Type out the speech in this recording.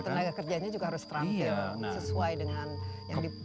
tenaga kerjanya juga harus terangkat sesuai dengan yang diperuntukkan